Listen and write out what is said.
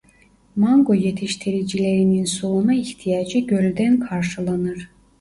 Mango yetiştiricilerinin sulama ihtiyacı gölden karşılanır.